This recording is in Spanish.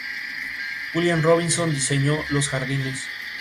William Robinson diseñó los jardines.